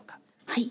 はい。